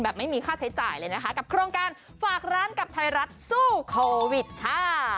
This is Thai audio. ไม่มีค่าใช้จ่ายเลยนะคะกับโครงการฝากร้านกับไทยรัฐสู้โควิดค่ะ